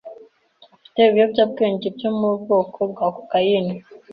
afite ibiyobyabwenge byo mu bwoko bwa Cocaine